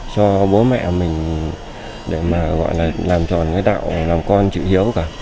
cho bố mẹ mình làm tròn đạo làm con chịu hiểu cả